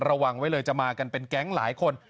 ระวังไว้เลยจะมากันเป็นแก๊งหลายคน